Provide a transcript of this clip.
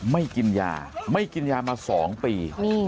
ไม่กินยาไม่กินยามา๒ปี